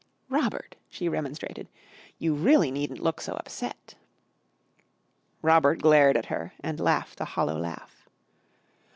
"Robert," she remonstrated, "you really needn't look so upset." Robert glared at her and laughed a hollow laugh.